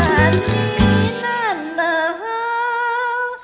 หน้านี้หน้าหนาว